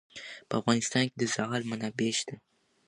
په افغانستان کې د زغال منابع شته.